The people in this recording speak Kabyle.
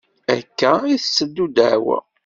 Akka i tetteddu ddeɛwa.